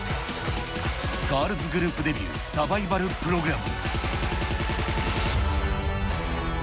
ガールズグループデビューサバイバルプログラム。